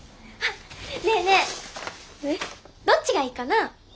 どっちがいいかな？